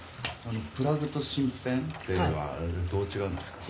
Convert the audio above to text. プラグとシンペンっていうのはどう違うんですか？